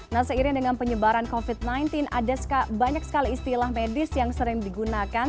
nah seiring dengan penyebaran covid sembilan belas ada banyak sekali istilah medis yang sering digunakan